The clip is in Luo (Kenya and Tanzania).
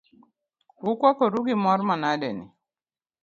Ukwakoru gi mor manade ni ?